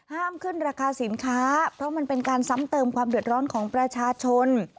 ห้ามขึ้นราคาสินค้าเพราะมันเป็นการซ้ำเติมความเดือดร้อนของประชาชน